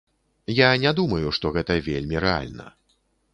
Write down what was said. Я не думаю, што гэта вельмі рэальна.